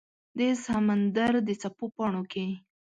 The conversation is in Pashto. د سمندردڅپو پاڼو کې